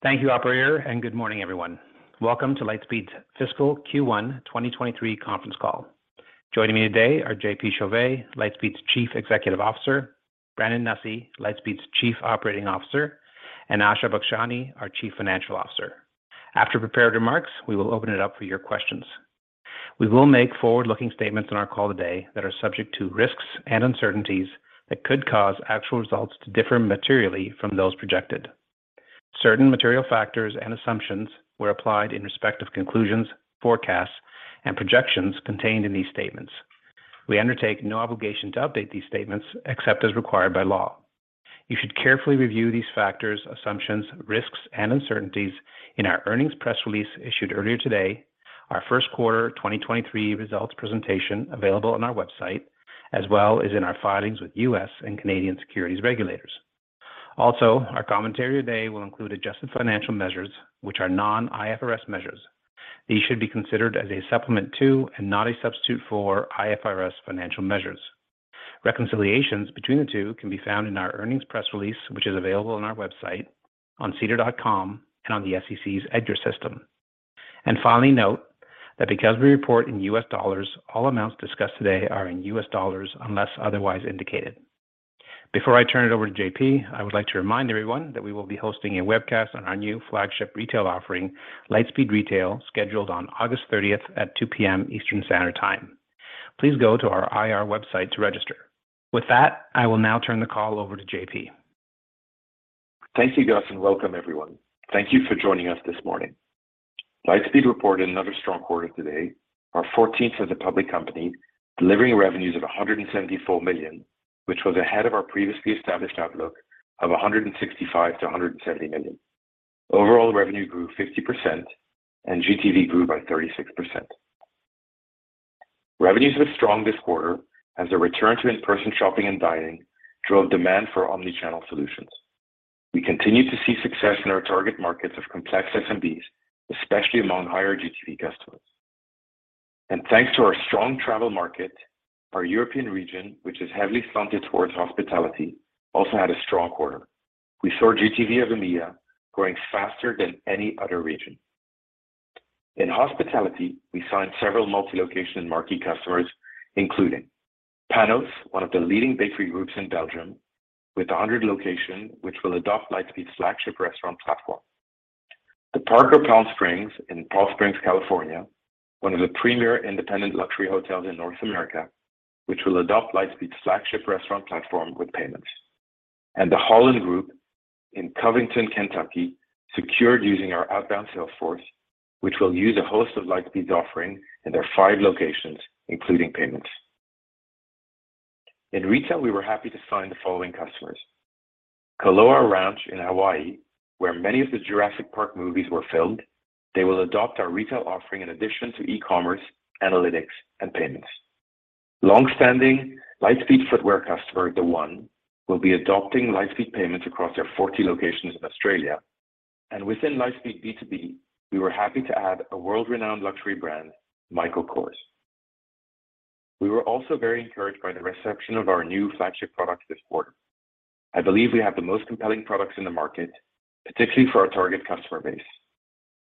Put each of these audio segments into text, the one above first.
Thank you, operator, and good morning, everyone. Welcome to Lightspeed Fiscal Q1 2023 Conference Call. Joining me today are JP Chauvet, Lightspeed's Chief Executive Officer, Brandon Nussey, Lightspeed's Chief Operating Officer, and Asha Bakshani, our Chief Financial Officer. After prepared remarks, we will open it up for your questions. We will make forward-looking statements on our call today that are subject to risks and uncertainties that could cause actual results to differ materially from those projected. Certain material factors and assumptions were applied in respect of conclusions, forecasts, and projections contained in these statements. We undertake no obligation to update these statements except as required by law. You should carefully review these factors, assumptions, risks, and uncertainties in our earnings press release issued earlier today, our first quarter 2023 results presentation available on our website, as well as in our filings with U.S. and Canadian securities regulators. Our commentary today will include adjusted financial measures, which are non-IFRS measures. These should be considered as a supplement to, and not a substitute for, IFRS financial measures. Reconciliations between the two can be found in our earnings press release, which is available on our website, on SEDAR.com, and on the SEC's EDGAR system. Finally note that because we report in U.S. dollars, all amounts discussed today are in U.S. dollars unless otherwise indicated. Before I turn it over to JP, I would like to remind everyone that we will be hosting a webcast on our new flagship retail offering, Lightspeed Retail, scheduled on August 30th at 2:00 P.M. Eastern Standard Time. Please go to our IR website to register. With that, I will now turn the call over to JP. Thank you, Gus, and welcome everyone. Thank you for joining us this morning. Lightspeed reported another strong quarter today, our 14th as a public company, delivering revenues of $174 million, which was ahead of our previously established outlook of $165 million-$170 million. Overall revenue grew 50% and GTV grew by 36%. Revenues were strong this quarter as a return to in-person shopping and dining drove demand for omni-channel solutions. We continue to see success in our target markets of complex SMBs, especially among higher GTV customers. Thanks to our strong travel market, our European region, which is heavily slanted towards hospitality, also had a strong quarter. We saw GTV of EMEA growing faster than any other region. In hospitality, we signed several multi-location marquee customers, including Panos, one of the leading bakery groups in Belgium with 100 locations which will adopt Lightspeed's flagship restaurant platform. The Parker Palm Springs in Palm Springs, California, one of the premier independent luxury hotels in North America, which will adopt Lightspeed's flagship restaurant platform with payments, and the Holland Group in Covington, Kentucky, secured using our outbound sales force, which will use a host of Lightspeed's offering in their five locations, including payments. In retail, we were happy to sign the following customers. Kualoa Ranch in Hawaii, where many of the Jurassic Park movies were filmed. They will adopt our retail offering in addition to e-commerce, analytics, and payments. Long-standing Lightspeed footwear customer, The One, will be adopting Lightspeed payments across their 40 locations in Australia. Within Lightspeed B2B, we were happy to add a world-renowned luxury brand, Michael Kors. We were also very encouraged by the reception of our new flagship products this quarter. I believe we have the most compelling products in the market, particularly for our target customer base.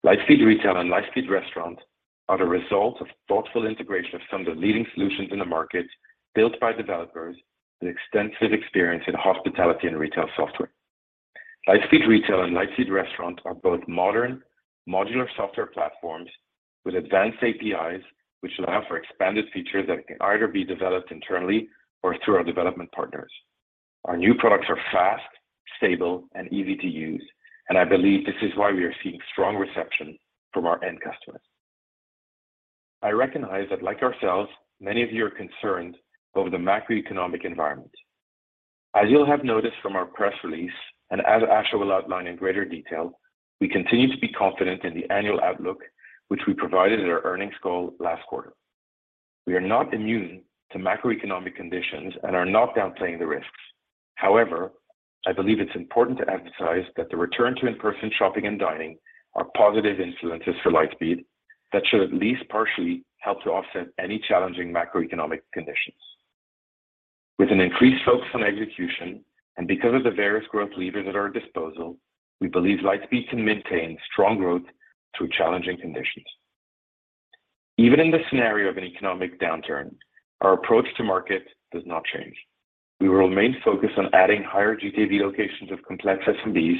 Lightspeed Retail and Lightspeed Restaurant are the result of thoughtful integration of some of the leading solutions in the market, built by developers with extensive experience in hospitality and retail software. Lightspeed Retail and Lightspeed Restaurant are both modern modular software platforms with advanced APIs, which allow for expanded features that can either be developed internally or through our development partners. Our new products are fast, stable, and easy to use, and I believe this is why we are seeing strong reception from our end customers. I recognize that like ourselves, many of you are concerned over the macroeconomic environment. As you'll have noticed from our press release, and as Asha will outline in greater detail, we continue to be confident in the annual outlook, which we provided at our earnings call last quarter. We are not immune to macroeconomic conditions and are not downplaying the risks. However, I believe it's important to emphasize that the return to in-person shopping and dining are positive influences for Lightspeed that should at least partially help to offset any challenging macroeconomic conditions. With an increased focus on execution, and because of the various growth levers at our disposal, we believe Lightspeed can maintain strong growth through challenging conditions. Even in the scenario of an economic downturn, our approach to market does not change. We will remain focused on adding higher GTV locations of complex SMBs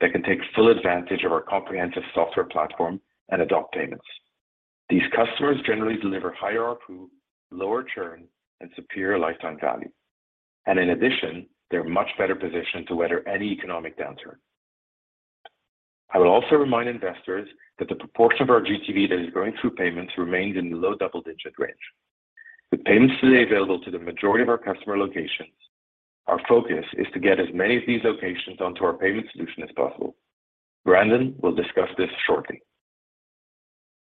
that can take full advantage of our comprehensive software platform and adopt payments. These customers generally deliver higher ARPU, lower churn, and superior lifetime value. In addition, they're much better positioned to weather any economic downturn. I will also remind investors that the proportion of our GTV that is going through payments remains in the low double-digit range. With payments today available to the majority of our customer locations, our focus is to get as many of these locations onto our payment solution as possible. Brandon will discuss this shortly.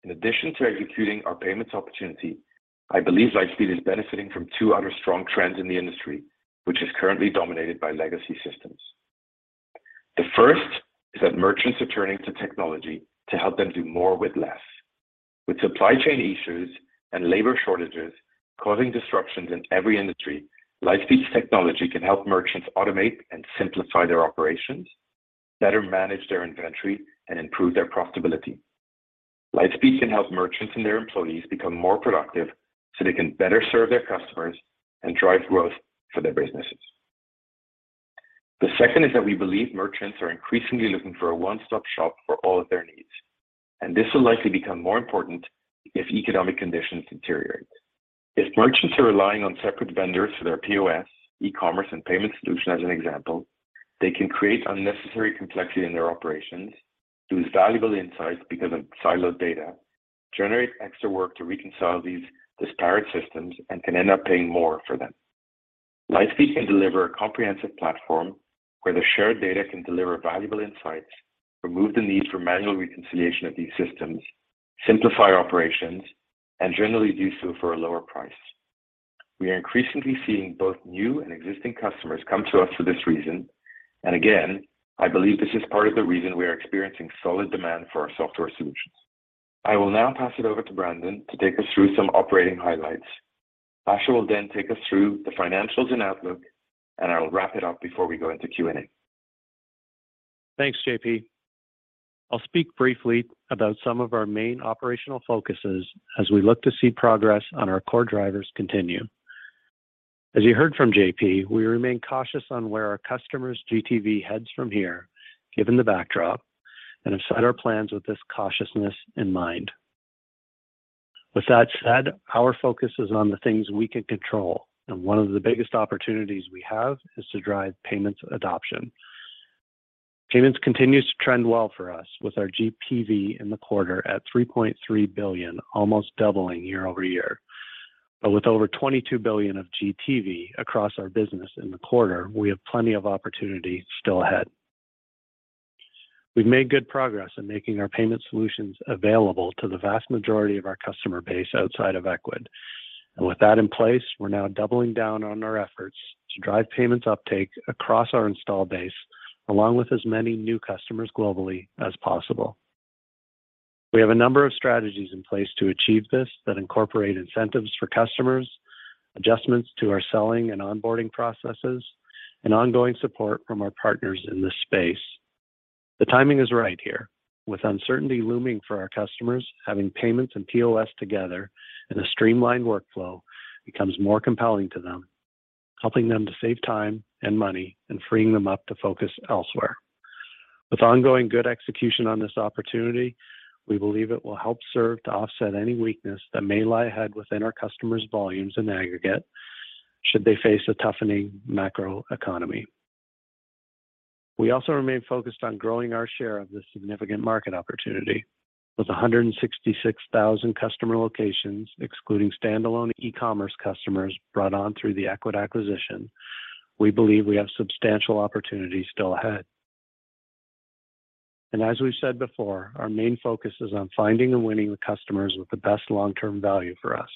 In addition to executing our payments opportunity, I believe Lightspeed is benefiting from two other strong trends in the industry, which is currently dominated by legacy systems. The first is that merchants are turning to technology to help them do more with less. With supply chain issues and labor shortages causing disruptions in every industry, Lightspeed's technology can help merchants automate and simplify their operations, better manage their inventory, and improve their profitability. Lightspeed can help merchants and their employees become more productive so they can better serve their customers and drive growth for their businesses. The second is that we believe merchants are increasingly looking for a one-stop shop for all of their needs, and this will likely become more important if economic conditions deteriorate. If merchants are relying on separate vendors for their POS, e-commerce, and payment solution as an example, they can create unnecessary complexity in their operations, lose valuable insights because of siloed data, generate extra work to reconcile these disparate systems, and can end up paying more for them. Lightspeed can deliver a comprehensive platform where the shared data can deliver valuable insights, remove the need for manual reconciliation of these systems, simplify operations, and generally do so for a lower price. We are increasingly seeing both new and existing customers come to us for this reason, and again, I believe this is part of the reason we are experiencing solid demand for our software solutions. I will now pass it over to Brandon to take us through some operating highlights. Asha will then take us through the financials and outlook, and I will wrap it up before we go into Q&A. Thanks, JP. I'll speak briefly about some of our main operational focuses as we look to see progress on our core drivers continue. As you heard from JP, we remain cautious on where our customers' GTV heads from here, given the backdrop, and have set our plans with this cautiousness in mind. With that said, our focus is on the things we can control, and one of the biggest opportunities we have is to drive payments adoption. Payments continues to trend well for us with our GPV in the quarter at $3.3 billion, almost doubling year-over-year. With over $22 billion of GTV across our business in the quarter, we have plenty of opportunity still ahead. We've made good progress in making our payment solutions available to the vast majority of our customer base outside of Ecwid. With that in place, we're now doubling down on our efforts to drive payments uptake across our install base, along with as many new customers globally as possible. We have a number of strategies in place to achieve this that incorporate incentives for customers, adjustments to our selling and onboarding processes, and ongoing support from our partners in this space. The timing is right here. With uncertainty looming for our customers, having payments and POS together in a streamlined workflow becomes more compelling to them, helping them to save time and money and freeing them up to focus elsewhere. With ongoing good execution on this opportunity, we believe it will help serve to offset any weakness that may lie ahead within our customers' volumes in aggregate should they face a toughening macro economy. We also remain focused on growing our share of this significant market opportunity. With 166,000 customer locations, excluding standalone e-commerce customers brought on through the Ecwid acquisition, we believe we have substantial opportunity still ahead. As we've said before, our main focus is on finding and winning the customers with the best long-term value for us.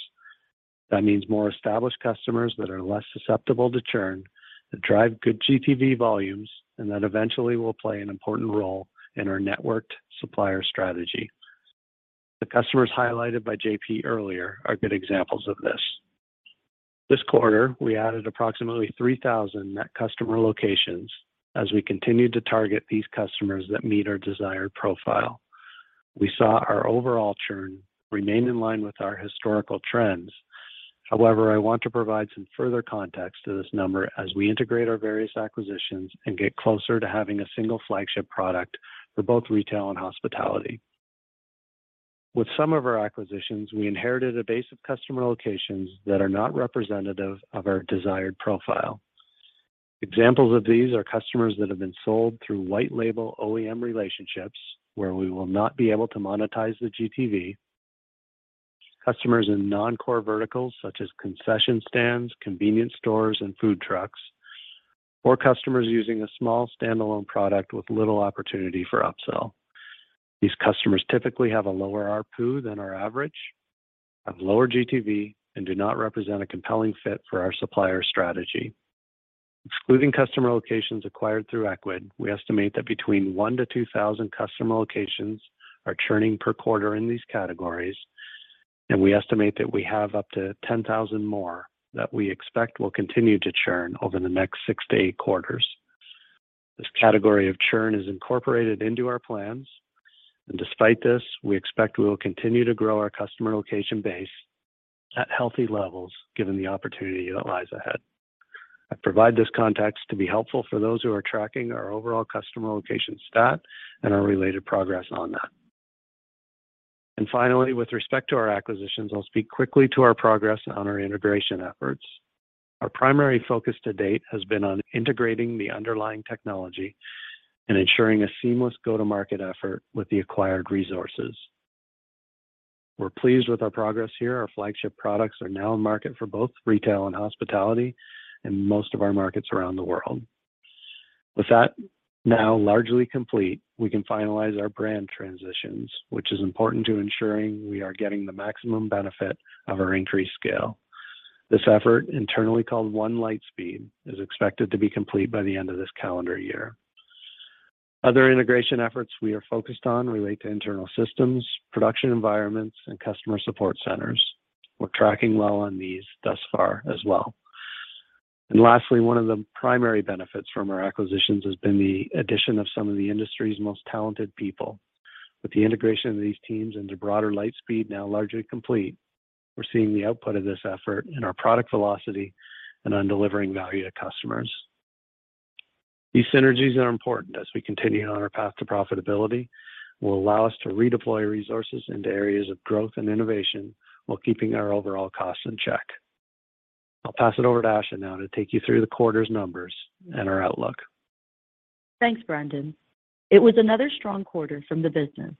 That means more established customers that are less susceptible to churn, that drive good GTV volumes, and that eventually will play an important role in our networked supplier strategy. The customers highlighted by JP earlier are good examples of this. This quarter, we added approximately 3,000 net customer locations as we continued to target these customers that meet our desired profile. We saw our overall churn remain in line with our historical trends. However, I want to provide some further context to this number as we integrate our various acquisitions and get closer to having a single flagship product for both retail and hospitality. With some of our acquisitions, we inherited a base of customer locations that are not representative of our desired profile. Examples of these are customers that have been sold through white label OEM relationships where we will not be able to monetize the GTV, customers in non-core verticals such as concession stands, convenience stores, and food trucks, or customers using a small standalone product with little opportunity for upsell. These customers typically have a lower ARPU than our average, have lower GTV, and do not represent a compelling fit for our supplier strategy. Excluding customer locations acquired through Ecwid, we estimate that between 1,000-2,000 customer locations are churning per quarter in these categories, and we estimate that we have up to 10,000 more that we expect will continue to churn over the next six to eight quarters. This category of churn is incorporated into our plans, and despite this, we expect we will continue to grow our customer location base at healthy levels given the opportunity that lies ahead. I provide this context to be helpful for those who are tracking our overall customer location stat and our related progress on that. Finally, with respect to our acquisitions, I'll speak quickly to our progress on our integration efforts. Our primary focus to date has been on integrating the underlying technology and ensuring a seamless go-to-market effort with the acquired resources. We're pleased with our progress here. Our flagship products are now in market for both retail and hospitality in most of our markets around the world. With that now largely complete, we can finalize our brand transitions, which is important to ensuring we are getting the maximum benefit of our increased scale. This effort, internally called One Lightspeed, is expected to be complete by the end of this calendar year. Other integration efforts we are focused on relate to internal systems, production environments, and customer support centers. We're tracking well on these thus far as well. Lastly, one of the primary benefits from our acquisitions has been the addition of some of the industry's most talented people. With the integration of these teams into broader Lightspeed now largely complete, we're seeing the output of this effort in our product velocity and on delivering value to customers. These synergies are important as we continue on our path to profitability that will allow us to redeploy resources into areas of growth and innovation while keeping our overall costs in check. I'll pass it over to Asha now to take you through the quarter's numbers and our outlook. Thanks, Brandon. It was another strong quarter from the business.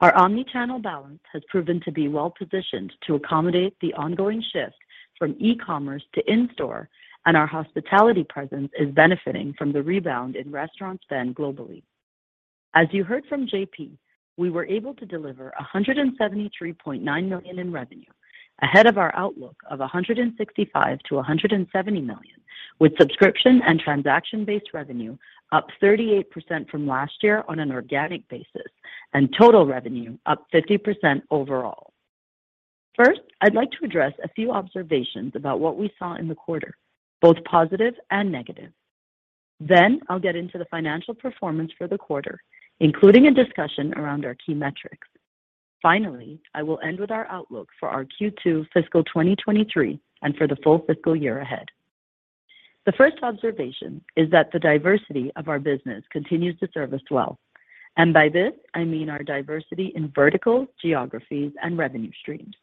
Our omni-channel balance has proven to be well-positioned to accommodate the ongoing shift from e-commerce to in-store, and our hospitality presence is benefiting from the rebound in restaurant spend globally. As you heard from JP, we were able to deliver $173.9 million in revenue, ahead of our outlook of $165 million-$170 million, with subscription and transaction-based revenue up 38% from last year on an organic basis, and total revenue up 50% overall. First, I'd like to address a few observations about what we saw in the quarter, both positive and negative. Then I'll get into the financial performance for the quarter, including a discussion around our key metrics. Finally, I will end with our outlook for our Q2 fiscal 2023, and for the full fiscal year ahead. The first observation is that the diversity of our business continues to serve us well, and by this I mean our diversity in vertical, geographies, and revenue streams.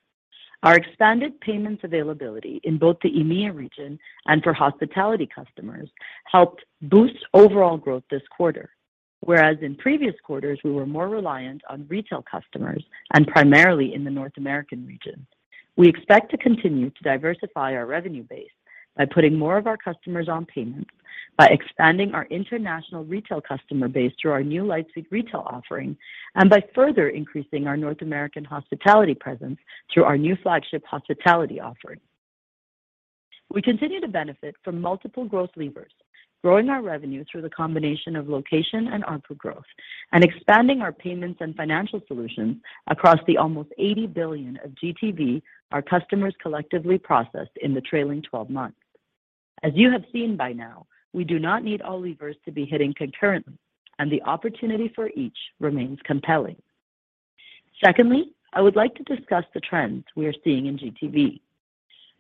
Our expanded payments availability in both the EMEA region and for hospitality customers helped boost overall growth this quarter. Whereas in previous quarters, we were more reliant on retail customers, and primarily in the North American region. We expect to continue to diversify our revenue base by putting more of our customers on payments, by expanding our international retail customer base through our new Lightspeed Retail offering, and by further increasing our North American hospitality presence through our new flagship hospitality offering. We continue to benefit from multiple growth levers, growing our revenue through the combination of location and ARPU growth, and expanding our payments and financial solutions across the almost $80 billion of GTV our customers collectively processed in the trailing 12 months. As you have seen by now, we do not need all levers to be hitting concurrently, and the opportunity for each remains compelling. Secondly, I would like to discuss the trends we are seeing in GTV.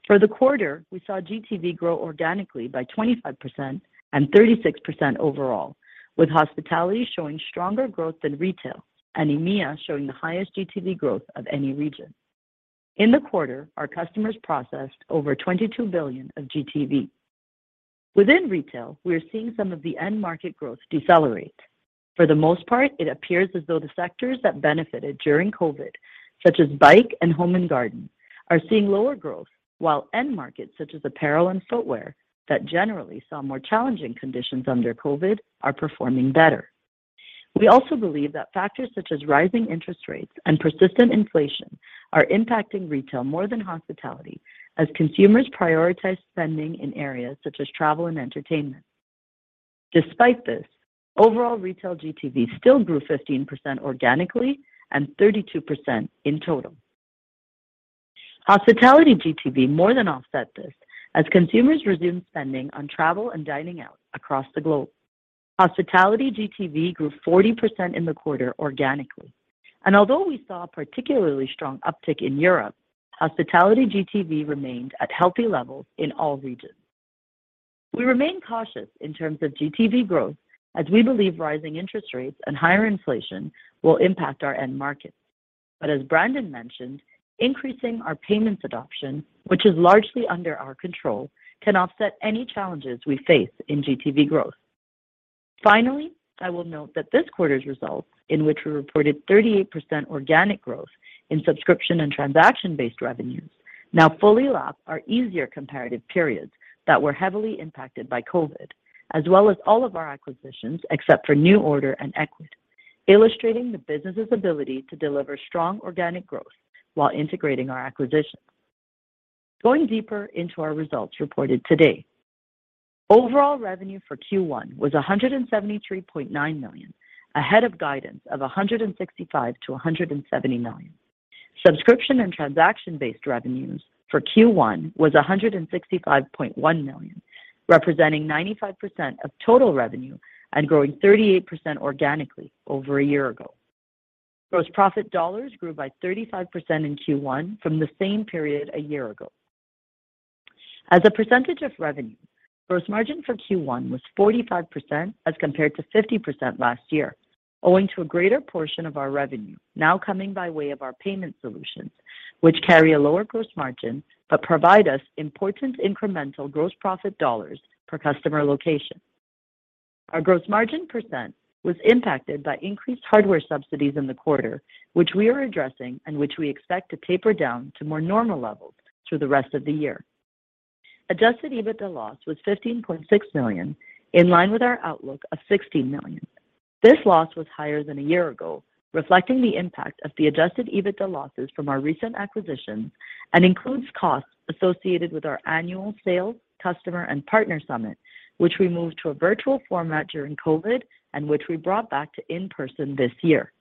For the quarter, we saw GTV grow organically by 25% and 36% overall, with hospitality showing stronger growth than retail, and EMEA showing the highest GTV growth of any region. In the quarter, our customers processed over $22 billion of GTV. Within retail, we are seeing some of the end market growth decelerate. For the most part, it appears as though the sectors that benefited during COVID, such as bike and home and garden, are seeing lower growth, while end markets such as apparel and footwear that generally saw more challenging conditions under COVID are performing better. We also believe that factors such as rising interest rates and persistent inflation are impacting retail more than hospitality as consumers prioritize spending in areas such as travel and entertainment. Despite this, overall retail GTV still grew 15% organically and 32% in total. Hospitality GTV more than offset this as consumers resumed spending on travel and dining out across the globe. Hospitality GTV grew 40% in the quarter organically, and although we saw a particularly strong uptick in Europe, hospitality GTV remained at healthy levels in all regions. We remain cautious in terms of GTV growth as we believe rising interest rates and higher inflation will impact our end markets. As Brandon mentioned, increasing our payments adoption, which is largely under our control, can offset any challenges we face in GTV growth. Finally, I will note that this quarter's results in which we reported 38% organic growth in subscription and transaction-based revenues now fully lap our easier comparative periods that were heavily impacted by COVID, as well as all of our acquisitions except for NuORDER and Ecwid, illustrating the business's ability to deliver strong organic growth while integrating our acquisitions. Going deeper into our results reported today. Overall revenue for Q1 was $173.9 million, ahead of guidance of $165 million-$170 million. Subscription and transaction-based revenues for Q1 was $165.1 million, representing 95% of total revenue and growing 38% organically over a year ago. Gross profit dollars grew by 35% in Q1 from the same period a year ago. As a percentage of revenue, gross margin for Q1 was 45% as compared to 50% last year, owing to a greater portion of our revenue now coming by way of our payment solutions, which carry a lower gross margin but provide us important incremental gross profit dollars per customer location. Our gross margin percent was impacted by increased hardware subsidies in the quarter, which we are addressing and which we expect to taper down to more normal levels through the rest of the year. Adjusted EBITDA loss was $15.6 million, in line with our outlook of $16 million. This loss was higher than a year ago, reflecting the impact of the adjusted EBITDA losses from our recent acquisitions. Includes costs associated with our annual sales, customer, and partner summit, which we moved to a virtual format during COVID, and which we brought back to in-person this year.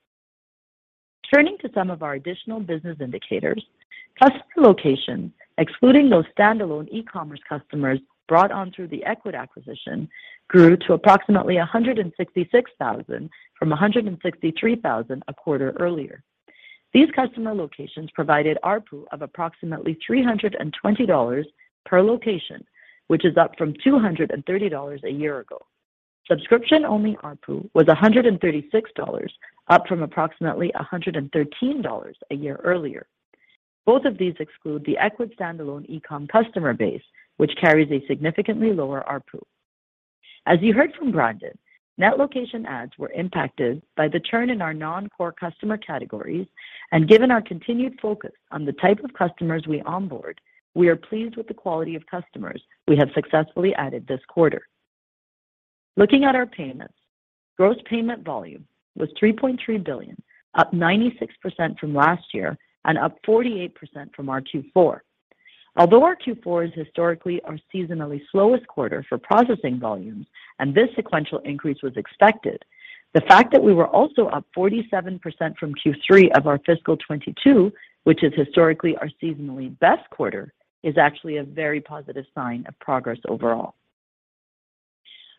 Turning to some of our additional business indicators, customer locations, excluding those standalone e-commerce customers brought on through the Ecwid acquisition, grew to approximately 166,000 from 163,000 a quarter earlier. These customer locations provided ARPU of approximately $320 per location, which is up from $230 a year ago. Subscription-only ARPU was $136, up from approximately $113 a year earlier. Both of these exclude the Ecwid standalone e-com customer base, which carries a significantly lower ARPU. As you heard from Brandon, net location adds were impacted by the churn in our non-core customer categories. Given our continued focus on the type of customers we onboard, we are pleased with the quality of customers we have successfully added this quarter. Looking at our payments, gross payment volume was $3.3 billion, up 96% from last year and up 48% from our Q4. Although our Q4 is historically our seasonally slowest quarter for processing volumes and this sequential increase was expected, the fact that we were also up 47% from Q3 of our fiscal 2022, which is historically our seasonally best quarter, is actually a very positive sign of progress overall.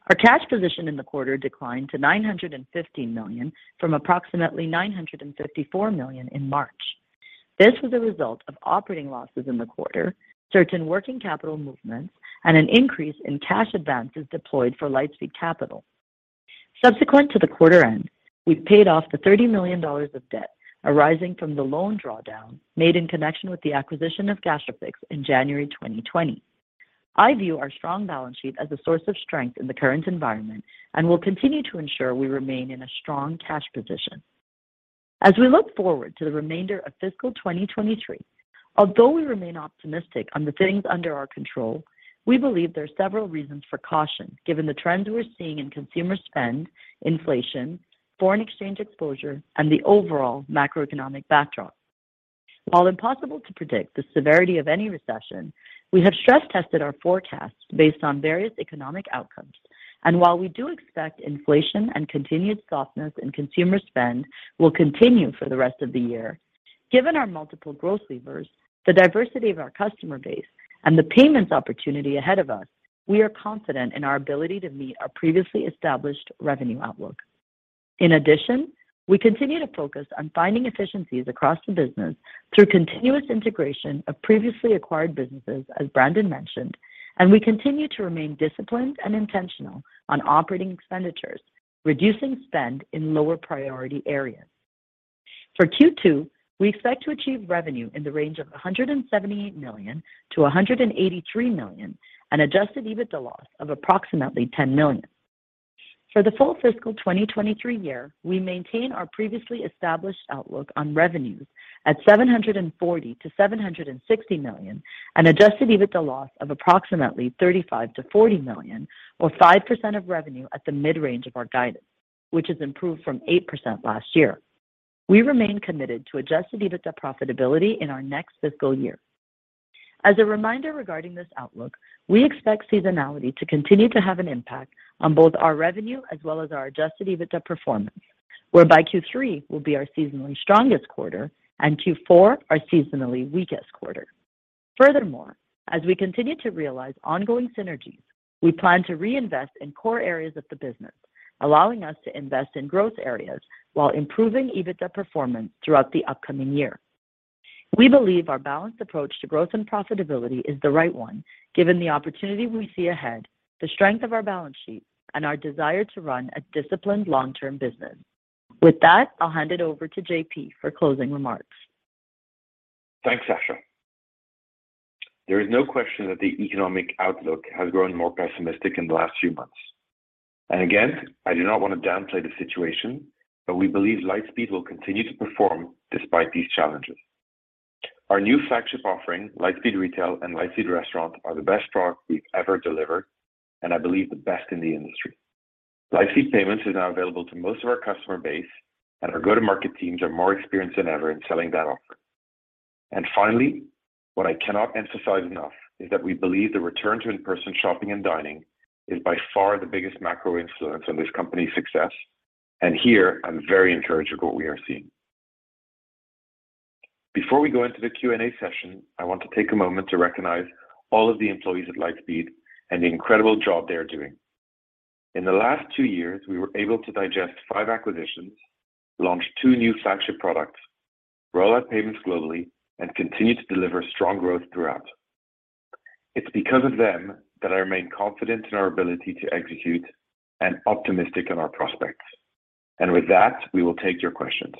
Our cash position in the quarter declined to $950 million from approximately $954 million in March. This was a result of operating losses in the quarter, certain working capital movements, and an increase in cash advances deployed for Lightspeed Capital. Subsequent to the quarter end, we've paid off the $30 million of debt arising from the loan drawdown made in connection with the acquisition of Gastrofix in January 2020. I view our strong balance sheet as a source of strength in the current environment and will continue to ensure we remain in a strong cash position. As we look forward to the remainder of fiscal 2023, although we remain optimistic on the things under our control, we believe there are several reasons for caution given the trends we're seeing in consumer spend, inflation, foreign exchange exposure, and the overall macroeconomic backdrop. While impossible to predict the severity of any recession, we have stress tested our forecast based on various economic outcomes. While we do expect inflation and continued softness in consumer spend will continue for the rest of the year, given our multiple growth levers, the diversity of our customer base, and the payments opportunity ahead of us, we are confident in our ability to meet our previously established revenue outlook. In addition, we continue to focus on finding efficiencies across the business through continuous integration of previously acquired businesses, as Brandon mentioned, and we continue to remain disciplined and intentional on operating expenditures, reducing spend in lower priority areas. For Q2, we expect to achieve revenue in the range of $178 million-$183 million, an adjusted EBITDA loss of approximately $10 million. For the full fiscal 2023 year, we maintain our previously established outlook on revenues at $740-$760 million, an adjusted EBITDA loss of approximately $35-$40 million, or 5% of revenue at the mid-range of our guidance, which has improved from 8% last year. We remain committed to adjusted EBITDA profitability in our next fiscal year. As a reminder regarding this outlook, we expect seasonality to continue to have an impact on both our revenue as well as our adjusted EBITDA performance, whereby Q3 will be our seasonally strongest quarter and Q4 our seasonally weakest quarter. Furthermore, as we continue to realize ongoing synergies, we plan to reinvest in core areas of the business, allowing us to invest in growth areas while improving EBITDA performance throughout the upcoming year. We believe our balanced approach to growth and profitability is the right one given the opportunity we see ahead, the strength of our balance sheet, and our desire to run a disciplined long-term business. With that, I'll hand it over to JP for closing remarks. Thanks, Asha. There is no question that the economic outlook has grown more pessimistic in the last few months. Again, I do not wanna downplay the situation, but we believe Lightspeed will continue to perform despite these challenges. Our new flagship offering, Lightspeed Retail and Lightspeed Restaurant, are the best product we've ever delivered and I believe the best in the industry. Lightspeed Payments is now available to most of our customer base, and our go-to-market teams are more experienced than ever in selling that offer. Finally, what I cannot emphasize enough is that we believe the return to in-person shopping and dining is by far the biggest macro influence on this company's success, and here I'm very encouraged with what we are seeing. Before we go into the Q&A session, I want to take a moment to recognize all of the employees at Lightspeed and the incredible job they are doing. In the last two years, we were able to digest five acquisitions, launch two new flagship products, roll out payments globally, and continue to deliver strong growth throughout. It's because of them that I remain confident in our ability to execute and optimistic in our prospects. With that, we will take your questions.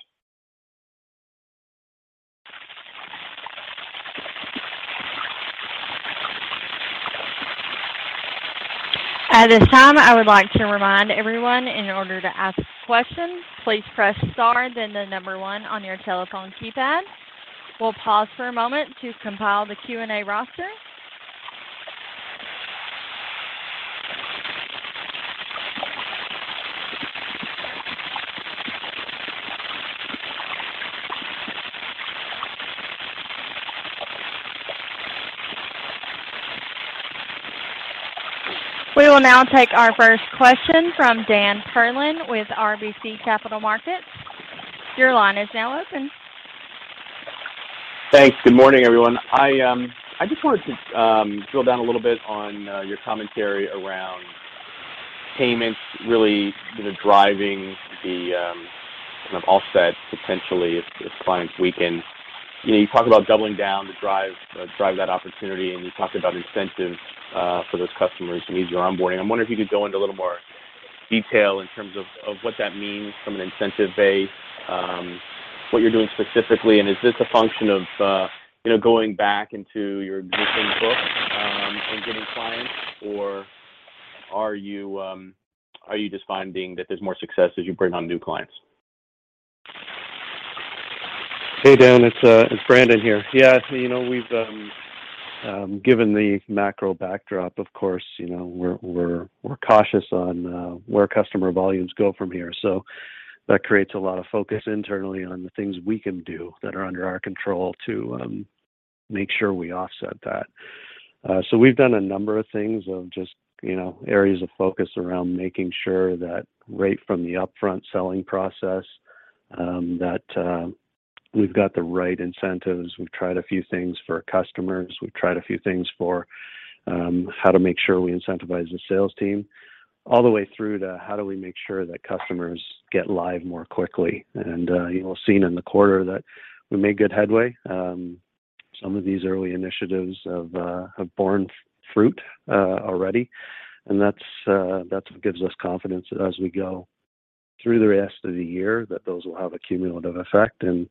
At this time, I would like to remind everyone in order to ask questions, please press star then the number one on your telephone keypad. We'll pause for a moment to compile the Q&A roster. We will now take our first question from Dan Perlin with RBC Capital Markets. Your line is now open. Thanks. Good morning, everyone. I just wanted to drill down a little bit on your commentary around payments really going to drive the kind of offset potentially if clients weaken. You know, you talk about doubling down to drive that opportunity, and you talked about incentives for those customers to ease your onboarding. I'm wondering if you could go into a little more detail in terms of what that means from an incentive basis, what you're doing specifically, and is this a function of, you know, going back into your existing book and getting clients, or are you just finding that there's more success as you bring on new clients? Hey, Dan, it's Brandon here. Yeah, you know, we've given the macro backdrop, of course, you know, we're cautious on where customer volumes go from here. That creates a lot of focus internally on the things we can do that are under our control to make sure we offset that. We've done a number of things of just, you know, areas of focus around making sure that right from the upfront selling process, that we've got the right incentives. We've tried a few things for customers. We've tried a few things for how to make sure we incentivize the sales team all the way through to how do we make sure that customers get live more quickly. You know, we've seen in the quarter that we made good headway. Some of these early initiatives have borne fruit already. That's what gives us confidence as we go through the rest of the year that those will have a cumulative effect and,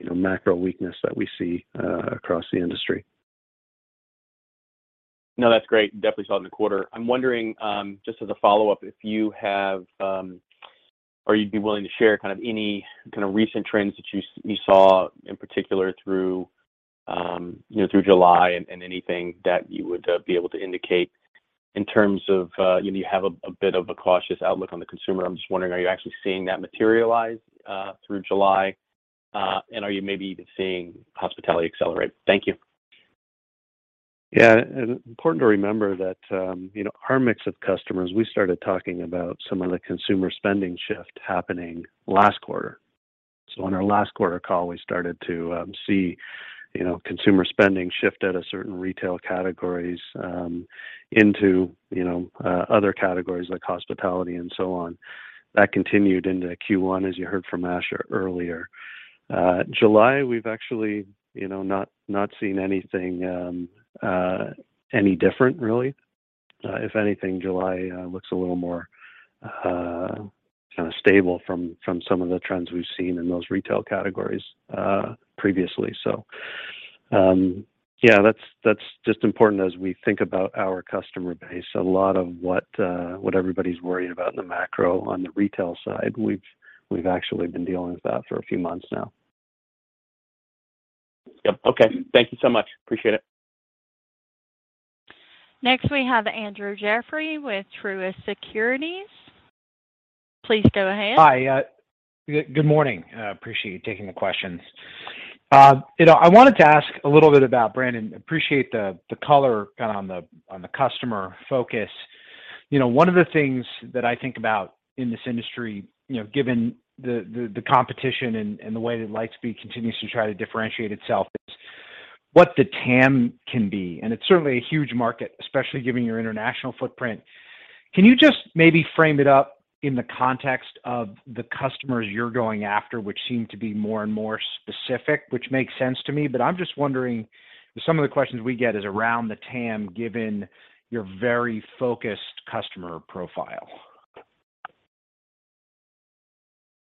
you know, macro weakness that we see across the industry. No, that's great. Definitely saw it in the quarter. I'm wondering, just as a follow-up, if you have, or you'd be willing to share kind of any kind of recent trends that you saw in particular through, you know, through July and anything that you would be able to indicate in terms of, you know, you have a bit of a cautious outlook on the consumer. I'm just wondering, are you actually seeing that materialize through July, and are you maybe even seeing hospitality accelerate? Thank you. Yeah. Important to remember that, you know, our mix of customers, we started talking about some of the consumer spending shift happening last quarter. On our last quarter call, we started to see, you know, consumer spending shift out of certain retail categories into, you know, other categories like hospitality and so on. That continued into Q1, as you heard from Asha earlier. July, we've actually, you know, not seen anything any different really. If anything, July looks a little more kinda stable from some of the trends we've seen in those retail categories previously. That's just important as we think about our customer base. A lot of what everybody's worried about in the macro on the retail side, we've actually been dealing with that for a few months now. Yep. Okay. Thank you so much. Appreciate it. Next, we have Andrew Jeffrey with Truist Securities. Please go ahead. Hi. Good morning. I appreciate you taking the questions. You know, I wanted to ask a little bit about Brandon. Appreciate the color kind of on the customer focus. You know, one of the things that I think about in this industry, you know, given the competition and the way that Lightspeed continues to try to differentiate itself is what the TAM can be. It's certainly a huge market, especially given your international footprint. Can you just maybe frame it up in the context of the customers you're going after, which seem to be more and more specific, which makes sense to me, but I'm just wondering, some of the questions we get is around the TAM, given your very focused customer profile.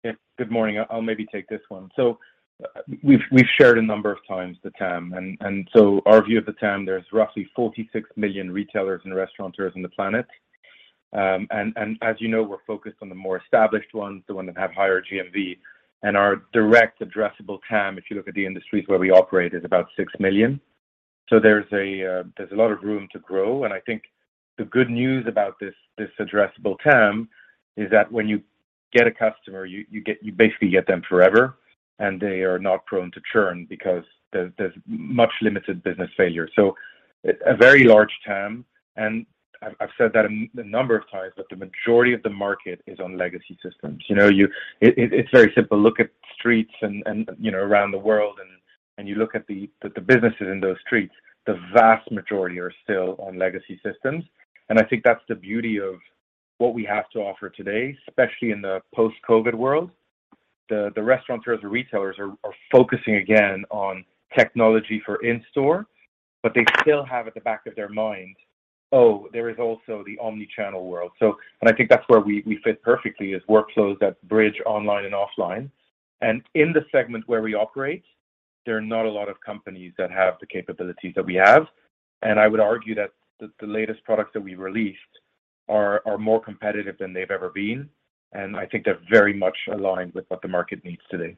Yeah. Good morning. I'll maybe take this one. We've shared a number of times the TAM. Our view of the TAM, there's roughly 46 million retailers and restaurateurs on the planet. As you know, we're focused on the more established ones, the one that have higher GMV. Our direct addressable TAM, if you look at the industries where we operate, is about 6 million. There's a lot of room to grow. I think the good news about this addressable TAM is that when you get a customer, you basically get them forever, and they are not prone to churn because there's much limited business failure. A very large TAM, and I've said that a number of times, but the majority of the market is on legacy systems. You know, it's very simple. Look at streets and, you know, around the world and you look at the businesses in those streets, the vast majority are still on legacy systems. I think that's the beauty of what we have to offer today, especially in the post-COVID world. The restaurateurs or retailers are focusing again on technology for in-store, but they still have at the back of their mind, "Oh, there is also the omni-channel world." I think that's where we fit perfectly is workflows that bridge online and offline. In the segment where we operate, there are not a lot of companies that have the capabilities that we have. I would argue that the latest products that we released are more competitive than they've ever been, and I think they're very much aligned with what the market needs today.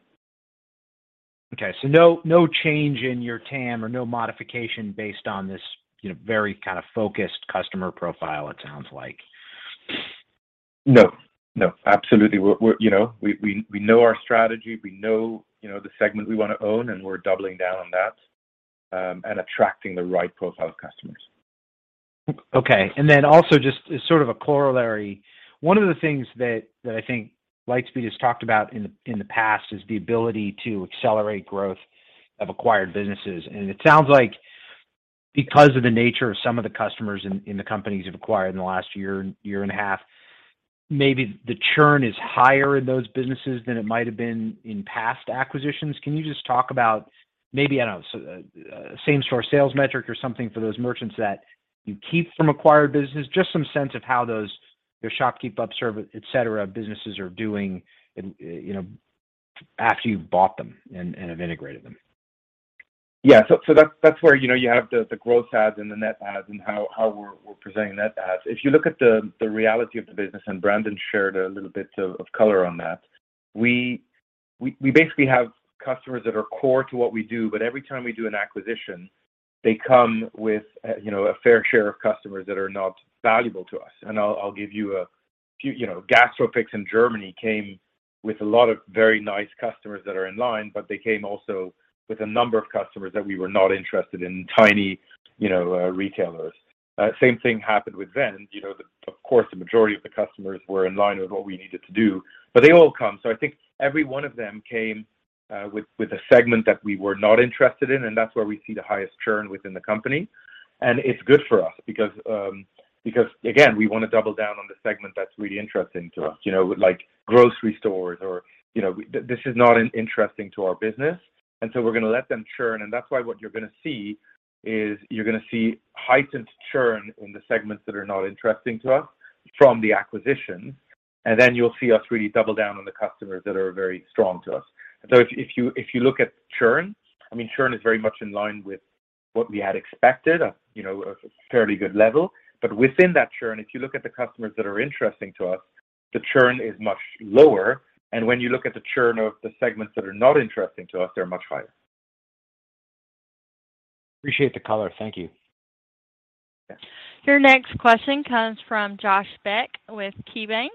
Okay. No change in your TAM or no modification based on this, you know, very kind of focused customer profile, it sounds like. No. No. Absolutely. You know, we know our strategy. We know, you know, the segment we wanna own, and we're doubling down on that, and attracting the right profile of customers. Okay. Then also just as sort of a corollary, one of the things that I think Lightspeed has talked about in the past is the ability to accelerate growth of acquired businesses. It sounds like because of the nature of some of the customers in the companies you've acquired in the last year and a half, maybe the churn is higher in those businesses than it might have been in past acquisitions. Can you just talk about maybe, I don't know, same store sales metric or something for those merchants that you keep from acquired business, just some sense of how those, your ShopKeep, Upserve, et cetera, businesses are doing, you know, after you've bought them and have integrated them. Yeah. That's where, you know, you have the growth adds and the net adds and how we're presenting net adds. If you look at the reality of the business, and Brandon shared a little bit of color on that, we basically have customers that are core to what we do, but every time we do an acquisition, they come with, you know, a fair share of customers that are not valuable to us. I'll give you a few. You know, Gastrofix in Germany came with a lot of very nice customers that are in line, but they came also with a number of customers that we were not interested in tiny retailers. Same thing happened with Vend. You know, of course, the majority of the customers were in line with what we needed to do, but they all come. I think every one of them came with a segment that we were not interested in, and that's where we see the highest churn within the company. It's good for us because again, we wanna double down on the segment that's really interesting to us, you know, like grocery stores or. You know, this is not interesting to our business, and so we're gonna let them churn. That's why what you're gonna see is you're gonna see heightened churn in the segments that are not interesting to us from the acquisitions, and then you'll see us really double down on the customers that are very strong to us. If you look at churn, I mean, churn is very much in line with what we had expected, you know, a fairly good level. Within that churn, if you look at the customers that are interesting to us, the churn is much lower. When you look at the churn of the segments that are not interesting to us, they're much higher. Appreciate the color. Thank you. Yeah. Your next question comes from Josh Beck with KeyBanc.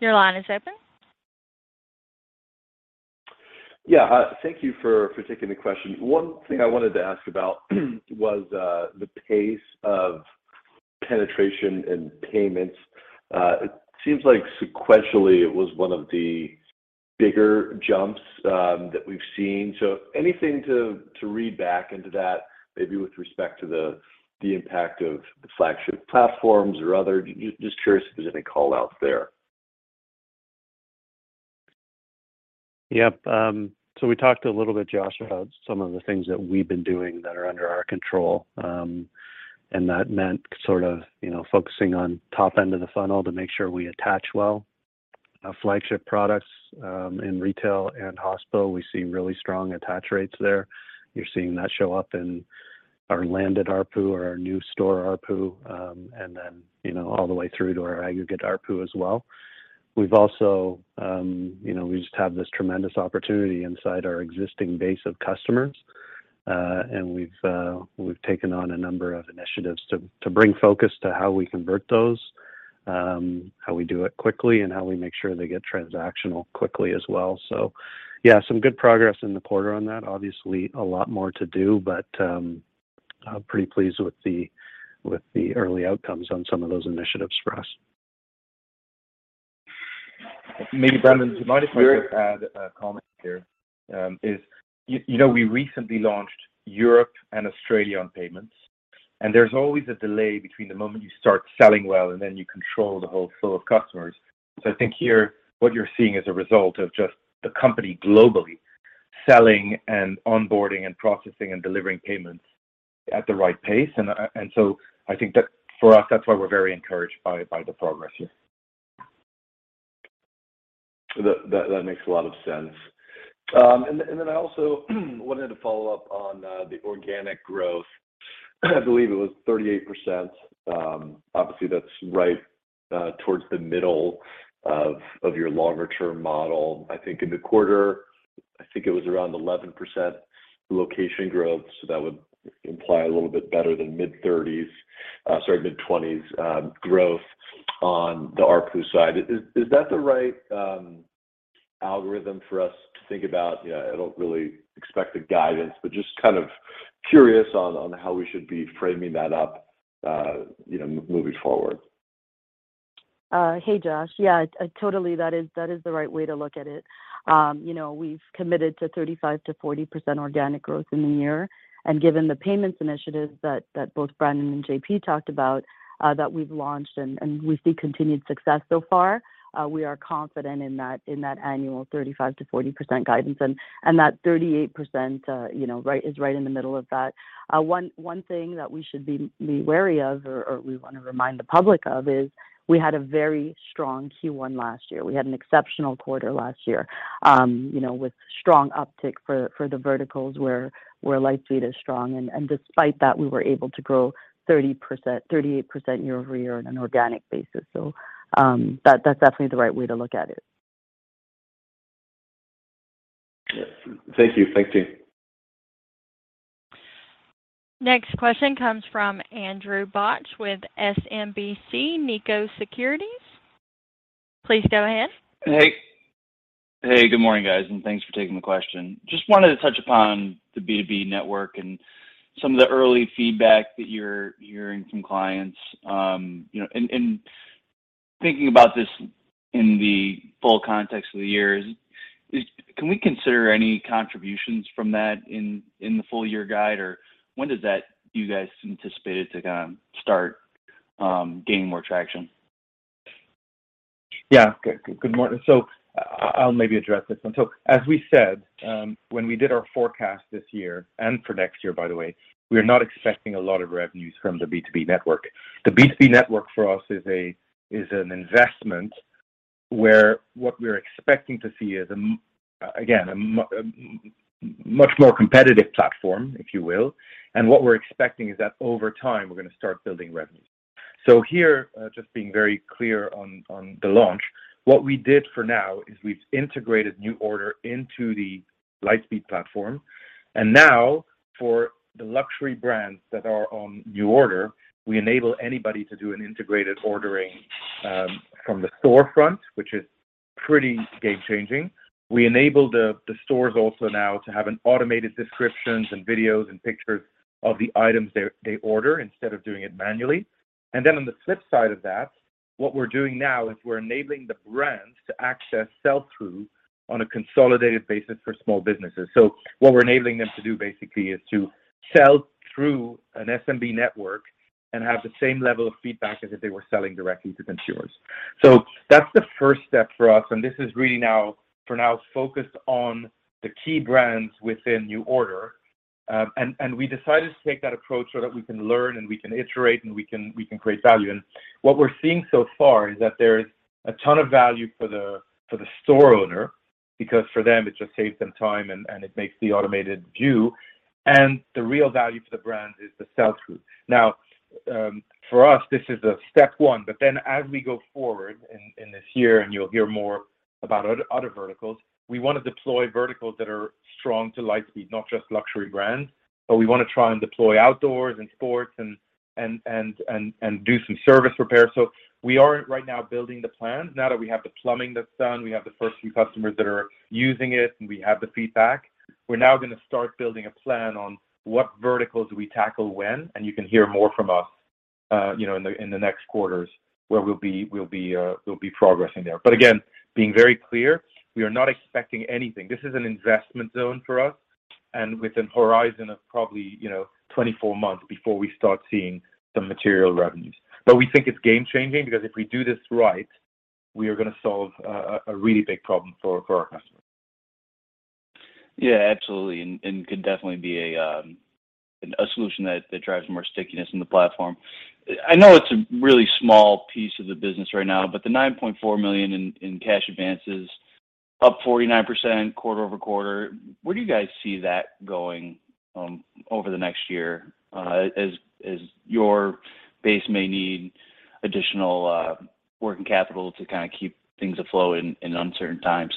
Your line is open. Thank you for taking the question. One thing I wanted to ask about was the pace of penetration in payments. It seems like sequentially it was one of the bigger jumps that we've seen. Anything to read back into that, maybe with respect to the impact of the flagship platforms or other? Just curious if there's any callouts there. Yep. We talked a little bit, Josh, about some of the things that we've been doing that are under our control. That meant sort of, you know, focusing on top end of the funnel to make sure we attach well our flagship products. In retail and hospo, we've seen really strong attach rates there. You're seeing that show up in our landed ARPU or our new store ARPU, and then, you know, all the way through to our aggregate ARPU as well. We've also, you know, we just have this tremendous opportunity inside our existing base of customers, and we've taken on a number of initiatives to bring focus to how we convert those, how we do it quickly and how we make sure they get transactional quickly as well. Yeah, some good progress in the quarter on that. Obviously, a lot more to do, but, I'm pretty pleased with the early outcomes on some of those initiatives for us. Brandon, if I just add a comment here, you know, we recently launched Europe and Australia on payments, and there's always a delay between the moment you start selling well and then you control the whole flow of customers. I think here what you're seeing is a result of just the company globally selling and onboarding and processing and delivering payments at the right pace. I think that for us, that's why we're very encouraged by the progress here. That makes a lot of sense. I also wanted to follow up on the organic growth. I believe it was 38%. Obviously that's right towards the middle of your longer term model. I think in the quarter it was around 11% location growth, so that would imply a little bit better than mid-30s, sorry, mid-20s, growth on the ARPU side. Is that the right algorithm for us to think about? You know, I don't really expect a guidance, but just kind of curious on how we should be framing that up, you know, moving forward. Hey, Josh. Yeah, totally that is the right way to look at it. You know, we've committed to 35%-40% organic growth in the year. Given the payments initiatives that both Brandon and JP talked about, that we've launched and we see continued success so far, we are confident in that annual 35%-40% guidance. That 38%, you know, right, is right in the middle of that. One thing that we should be wary of or we wanna remind the public of is we had a very strong Q1 last year. We had an exceptional quarter last year, you know, with strong uptick for the verticals where Lightspeed is strong. Despite that, we were able to grow 30%, 38% year-over-year on an organic basis. That's definitely the right way to look at it. Thank you. Thanks, team. Next question comes from Andrew Bauch with SMBC Nikko Securities. Please go ahead. Hey. Hey, good morning, guys, and thanks for taking the question. Just wanted to touch upon the B2B network and some of the early feedback that you're hearing from clients. You know, and thinking about this in the full context of the year, can we consider any contributions from that in the full year guide, or when do you guys anticipate it to start gaining more traction? Yeah. Good morning. I'll maybe address this one. As we said, when we did our forecast this year and for next year, by the way, we are not expecting a lot of revenues from the B2B network. The B2B network for us is an investment where what we're expecting to see is a much more competitive platform, if you will. What we're expecting is that over time we're gonna start building revenue. Here, just being very clear on the launch, what we did for now is we've integrated NuORDER into the Lightspeed platform. Now for the luxury brands that are on NuORDER, we enable anybody to do an integrated ordering from the storefront, which is pretty game-changing. We enable the stores also now to have automated descriptions and videos and pictures of the items they order instead of doing it manually. Then on the flip side of that, what we're doing now is we're enabling the brands to access sell-through on a consolidated basis for small businesses. What we're enabling them to do basically is to sell through an SMB network and have the same level of feedback as if they were selling directly to consumers. That's the first step for us, and this is really now, for now, focused on the key brands within NuORDER. We decided to take that approach so that we can learn, and we can iterate, and we can create value. What we're seeing so far is that there's a ton of value for the store owner, because for them, it just saves them time and it makes the automated view. The real value for the brands is the sell-through. Now, for us, this is a step one, but then as we go forward in this year, and you'll hear more about other verticals, we wanna deploy verticals that are strong to Lightspeed, not just luxury brands. We wanna try and deploy outdoors and sports and do some service repairs. We are right now building the plan. Now that we have the plumbing that's done, we have the first few customers that are using it, and we have the feedback, we're now gonna start building a plan on what verticals we tackle when, and you can hear more from us, you know, in the next quarters where we'll be progressing there. But again, being very clear, we are not expecting anything. This is an investment zone for us and with a horizon of probably, you know, 24 months before we start seeing some material revenues. But we think it's game-changing because if we do this right, we are gonna solve a really big problem for our customers. Yeah, absolutely. Could definitely be a solution that drives more stickiness in the platform. I know it's a really small piece of the business right now, but the $9.4 million in cash advances up 49% quarter-over-quarter. Where do you guys see that going over the next year, as your base may need additional working capital to kinda keep things afloat in uncertain times?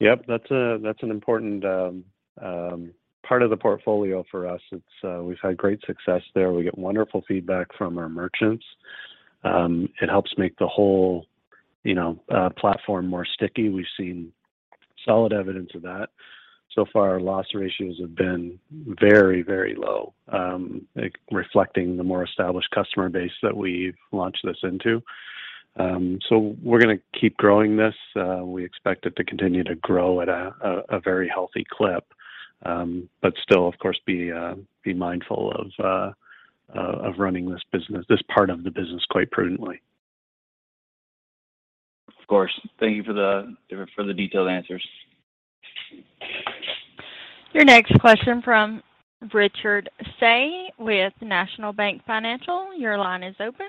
That's an important part of the portfolio for us. We've had great success there. We get wonderful feedback from our merchants. It helps make the whole, you know, platform more sticky. We've seen solid evidence of that. So far, loss ratios have been very low, like reflecting the more established customer base that we've launched this into. We're gonna keep growing this. We expect it to continue to grow at a very healthy clip. Still, of course, be mindful of running this business, this part of the business quite prudently. Of course. Thank you for the detailed answers. Your next question from Richard Tse with National Bank Financial. Your line is open.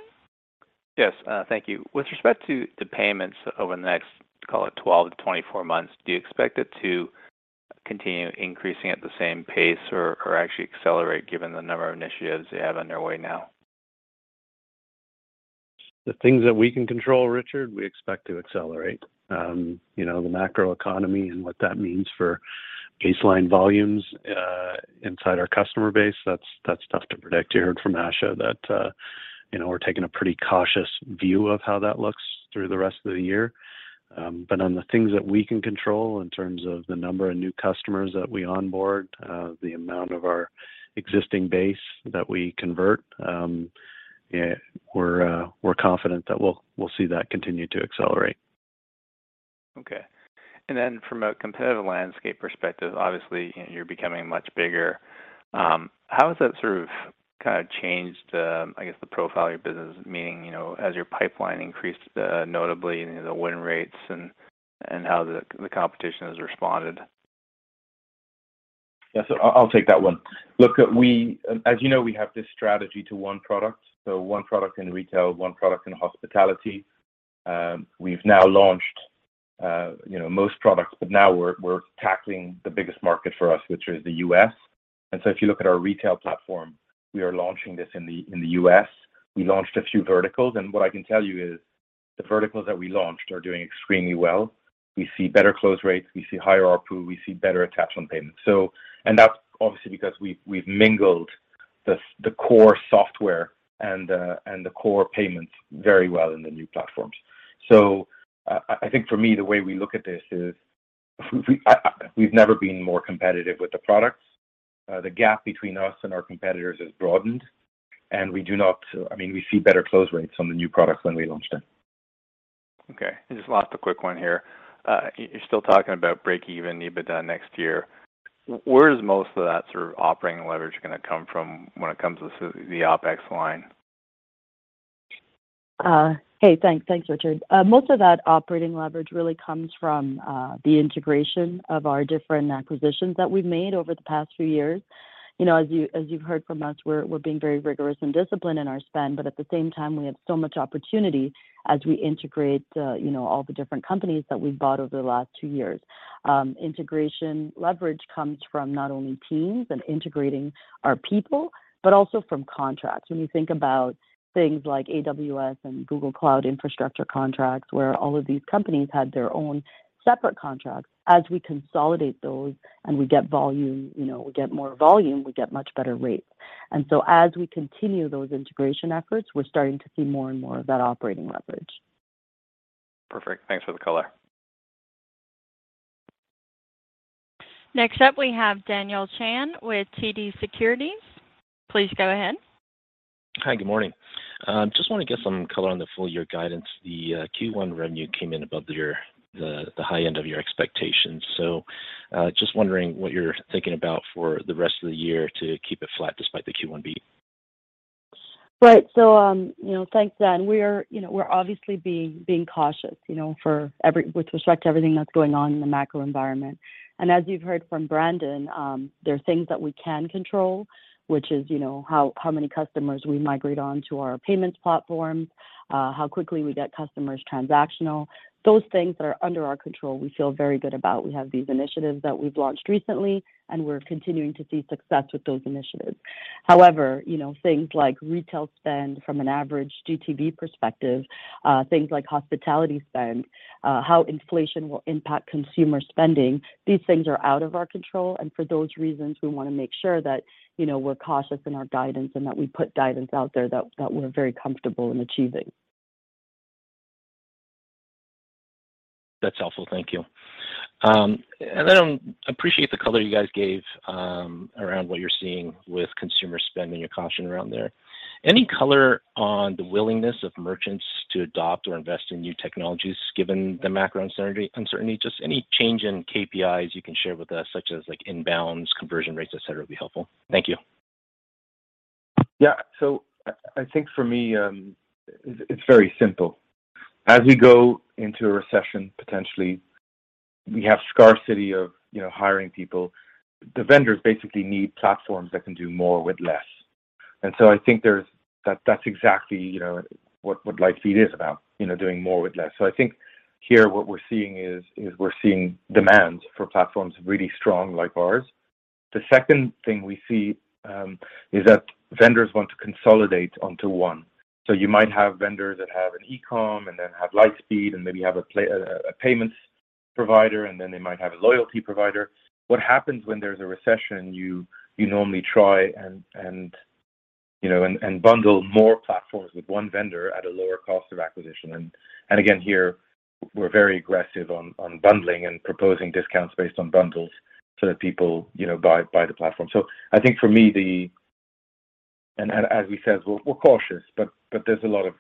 Yes. Thank you. With respect to the payments over the next, call it, 12-24 months, do you expect it to continue increasing at the same pace or actually accelerate given the number of initiatives you have underway now? The things that we can control, Richard, we expect to accelerate. You know, the macroeconomy and what that means for baseline volumes, inside our customer base, that's tough to predict. You heard from Asha that, you know, we're taking a pretty cautious view of how that looks through the rest of the year. On the things that we can control in terms of the number of new customers that we onboard, the amount of our existing base that we convert, yeah, we're confident that we'll see that continue to accelerate. Okay. From a competitive landscape perspective, obviously, you know, you're becoming much bigger. How has that sort of, kind of changed, I guess, the profile of your business, meaning, you know, as your pipeline increased notably and the win rates and how the competition has responded? Yeah. I'll take that one. Look, as you know, we have this strategy to one product. One product in retail, one product in hospitality. We've now launched, you know, most products, but now we're tackling the biggest market for us, which is the U.S. If you look at our retail platform, we are launching this in the U.S. We launched a few verticals, and what I can tell you is the verticals that we launched are doing extremely well. We see better close rates, we see higher ARPU, we see better attach on payments. And that's obviously because we've mingled the core software and the core payments very well in the new platforms. I think for me, the way we look at this is we've never been more competitive with the products. The gap between us and our competitors has broadened, I mean, we see better close rates on the new products when we launched them. Okay. Just one last quick one here. You're still talking about breakeven EBITDA next year. Where is most of that sort of operating leverage gonna come from when it comes to the OpEx line? Thanks, Richard. Most of that operating leverage really comes from the integration of our different acquisitions that we've made over the past few years. You know, as you've heard from us, we're being very rigorous and disciplined in our spend, but at the same time, we have so much opportunity as we integrate, you know, all the different companies that we've bought over the last two years. Integration leverage comes from not only teams and integrating our people, but also from contracts. When you think about things like AWS and Google Cloud infrastructure contracts, where all of these companies had their own separate contracts, as we consolidate those and we get volume, you know, we get more volume, we get much better rates. As we continue those integration efforts, we're starting to see more and more of that operating leverage. Perfect. Thanks for the color. Next up, we have Daniel Chan with TD Securities. Please go ahead. Hi, good morning. Just wanna get some color on the full year guidance. The Q1 revenue came in above the high end of your expectations. Just wondering what you're thinking about for the rest of the year to keep it flat despite the Q1 beat. Right. You know, thanks, Dan. We're, you know, obviously being cautious, you know, with respect to everything that's going on in the macro environment. As you've heard from Brandon, there are things that we can control, which is, you know, how many customers we migrate on to our payments platforms, how quickly we get customers transactional. Those things that are under our control, we feel very good about. We have these initiatives that we've launched recently, and we're continuing to see success with those initiatives. However, you know, things like retail spend from an average GTV perspective, things like hospitality spend, how inflation will impact consumer spending, these things are out of our control. For those reasons, we wanna make sure that, you know, we're cautious in our guidance and that we put guidance out there that we're very comfortable in achieving. That's helpful. Thank you. Appreciate the color you guys gave around what you're seeing with consumer spend and your caution around there. Any color on the willingness of merchants to adopt or invest in new technologies given the macro uncertainty? Just any change in KPIs you can share with us, such as, like, inbounds, conversion rates, et cetera, would be helpful. Thank you. Yeah. I think for me, it's very simple. As we go into a recession, potentially, we have scarcity of you know hiring people. The vendors basically need platforms that can do more with less. I think here, what we're seeing is we're seeing demand for platforms really strong like ours. The second thing we see is that vendors want to consolidate onto one. You might have vendors that have an eCom and then have Lightspeed, and maybe have a payments provider, and then they might have a loyalty provider. What happens when there's a recession, you normally try and you know bundle more platforms with one vendor at a lower cost of acquisition. Again, here we're very aggressive on bundling and proposing discounts based on bundles so that people, you know, buy the platform. I think for me, as we said, we're cautious, but there's a lot of,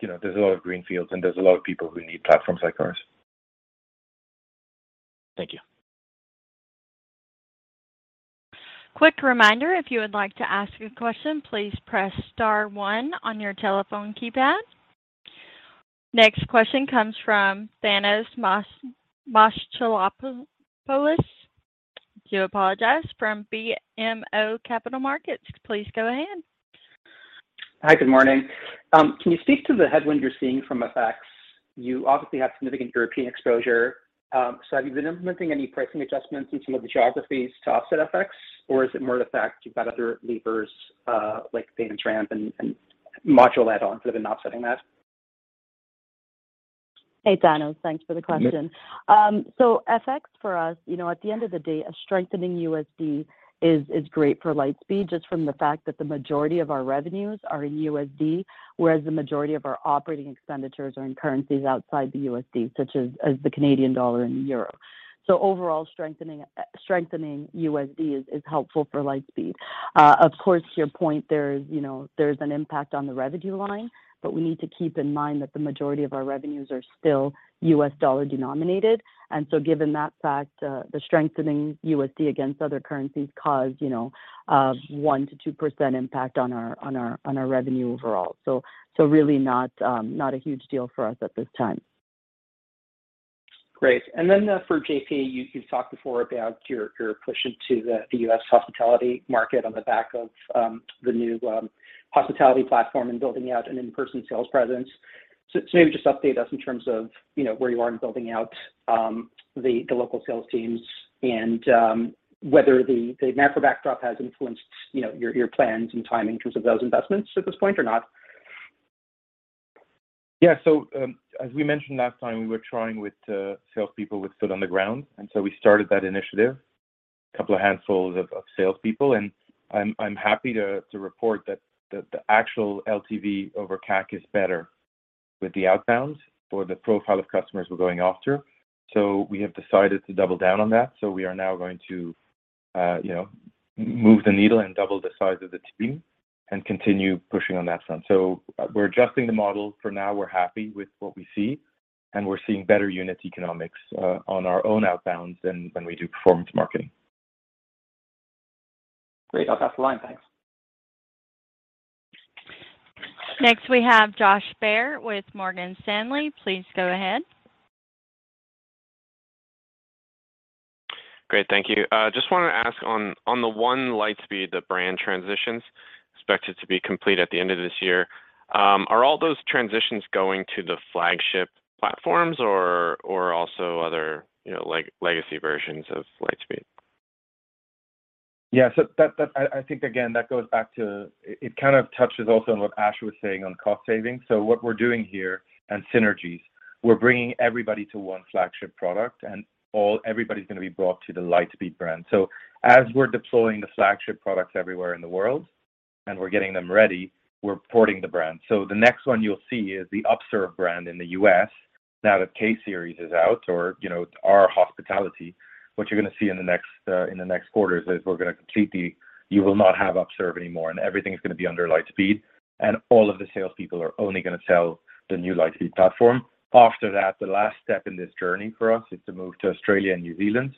you know, there's a lot of greenfields, and there's a lot of people who need platforms like ours. Thank you. Quick reminder, if you would like to ask a question, please press star one on your telephone keypad. Next question comes from Thanos Moschopoulos. I do apologize, from BMO Capital Markets. Please go ahead. Hi, good morning. Can you speak to the headwind you're seeing from FX? You obviously have significant European exposure. Have you been implementing any pricing adjustments in some of the geographies to offset FX, or is it more the fact you've got other levers, like payment ramp and module add-ons that have been offsetting that? Hey, Thanos. Thanks for the question. Yeah. FX for us, you know, at the end of the day, a strengthening USD is great for Lightspeed just from the fact that the majority of our revenues are in USD, whereas the majority of our operating expenditures are in currencies outside the USD, such as the Canadian dollar and the euro. Overall strengthening USD is helpful for Lightspeed. Of course, to your point, there is an impact on the revenue line, but we need to keep in mind that the majority of our revenues are still U.S. dollar denominated. Given that fact, the strengthening USD against other currencies causes a 1%-2% impact on our revenue overall. Really not a huge deal for us at this time. Great. For JP, you've talked before about your push into the U.S. hospitality market on the back of the new hospitality platform and building out an in-person sales presence. Maybe just update us in terms of, you know, where you are in building out the local sales teams and whether the macro backdrop has influenced, you know, your plans and timing in terms of those investments at this point or not. Yeah. As we mentioned last time, we were trying with salespeople with foot on the ground, and we started that initiative, couple of handfuls of salespeople. I'm happy to report that the actual LTV over CAC is better with the outbounds for the profile of customers we're going after. We have decided to double down on that, so we are now going to, you know, move the needle and double the size of the team and continue pushing on that front. We're adjusting the model. For now, we're happy with what we see, and we're seeing better unit economics on our own outbounds than when we do performance marketing. Great. I'll pass the line. Thanks. Next we have Josh Baer with Morgan Stanley. Please go ahead. Great. Thank you. Just wanted to ask on the Lightspeed, the brand transitions expected to be complete at the end of this year, are all those transitions going to the flagship platforms or also other, you know, legacy versions of Lightspeed? Yeah. That goes back to. It kind of touches also on what Asha was saying on cost savings. What we're doing here, and synergies, we're bringing everybody to one flagship product, and everybody's gonna be brought to the Lightspeed brand. As we're deploying the flagship products everywhere in the world, and we're getting them ready, we're porting the brand. The next one you'll see is the Upserve brand in the U.S. now that K-Series is out, or, you know, our hospitality. What you're gonna see in the next quarters is we're gonna complete the. You will not have Upserve anymore, and everything is gonna be under Lightspeed, and all of the salespeople are only gonna sell the new Lightspeed platform. After that, the last step in this journey for us is to move to Australia and New Zealand,